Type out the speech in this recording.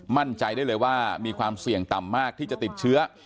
มั่นใจได้เลยว่ามีความเสี่ยงต่ำมากที่จะติดเชื้อ